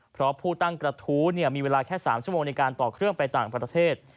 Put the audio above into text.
เพราะผู้ตั้งกระทู้มีเวลาแค่๓ชั่วโมงในการต่อเครื่องไปต่างประเทศ